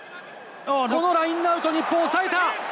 このラインアウト、日本抑えた！